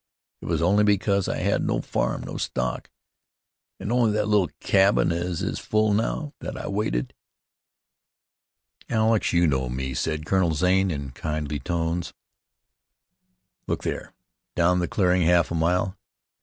It was only because I had no farm, no stock, an' only that little cabin as is full now, that I waited." "Alex, you know me," said Colonel Zane in kindly tones. "Look there, down the clearing half a mile.